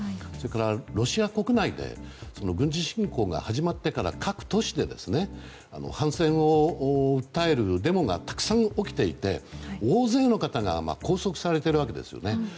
それからロシア国内で軍事侵攻が始まってから各都市で反戦を訴えるデモがたくさん起きていて大勢の方が拘束されているわけですよね。